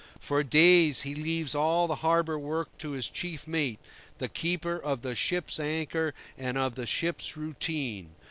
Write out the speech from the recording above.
For days he leaves all the harbour work to his chief mate, the keeper of the ship's anchor and of the ship's routine.